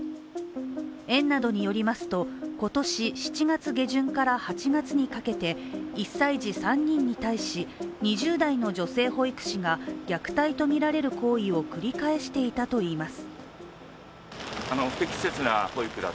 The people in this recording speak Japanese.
園などによりますと今年７月下旬から８月にかけて１歳児３人に対し、２０代の女性保育士が虐待とみられる行為を繰り返していたといいます。